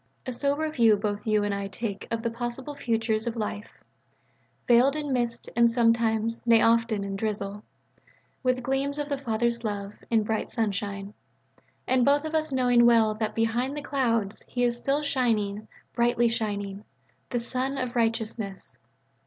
A sober view both you and I take of the possible futures of life: veiled in mist and sometimes, nay often, in drizzle: with gleams of the Father's love, in bright sunshine: and both of us knowing well that "behind the clouds" He is still shining, brightly shining: the Sun of Righteousness.